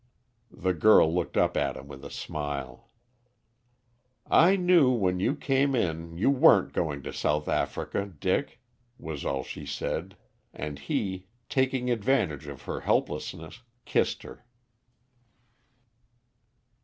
The girl looked up at him with a smile. "I knew when you came in you weren't going to South Africa, Dick," was all she said; and he, taking advantage of her helplessness, kissed her.